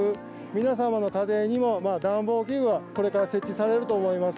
皆様の家庭にも、暖房器具は、これから設置されると思います。